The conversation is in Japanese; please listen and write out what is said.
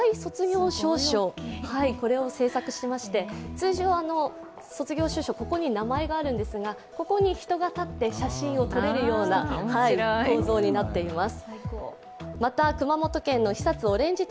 通常、卒業証書、ここに名前があるんですが、ここに人が立って写真を撮れるような構造になっています。